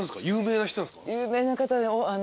有名な方で。